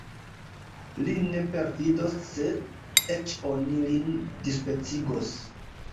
Li ne perfidos, se eĉ oni lin dispecigos!